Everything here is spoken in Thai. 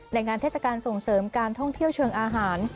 งานเทศกาลส่งเสริมการท่องเที่ยวเชิงอาหาร